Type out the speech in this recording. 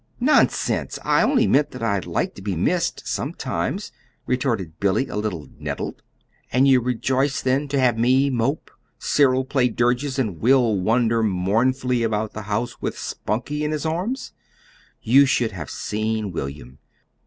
"Nonsense! I only meant that I like to be missed sometimes," retorted Billy, a little nettled. "And you rejoice then to have me mope, Cyril play dirges, and Will wander mournfully about the house with Spunkie in his arms! You should have seen William.